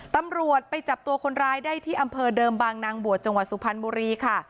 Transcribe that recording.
ตำรวจไปจับตัวคนร้ายได้ที่อำเภอเดิมบางนางบวชจังหวัดสุพรรณบุรีค่ะ